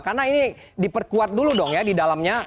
karena ini diperkuat dulu dong ya di dalamnya